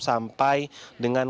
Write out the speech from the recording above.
sampai dengan kebakaran yang terjadi